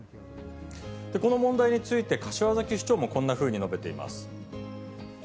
この問題について、柏崎市長もこんなふうに述べています。